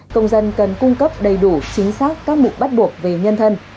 công dân cần cung cấp đầy đủ chính xác các mục bắt buộc về nhân thân